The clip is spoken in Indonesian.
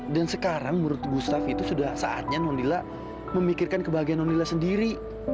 dan sekarang menurut gustaf itu sudah saatnya non lila memikirkan kebahagiaan non lila sendiri